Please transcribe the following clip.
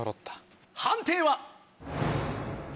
判定は？